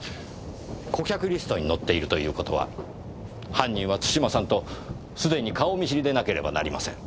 顧客リストに載っているという事は犯人は津島さんと既に顔見知りでなければなりません。